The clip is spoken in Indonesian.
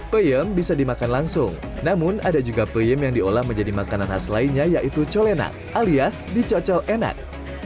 peyem bisa dimakan langsung namun ada juga peyem yang diolah menjadi makanan khas lainnya yaitu colenak alias dicocol enak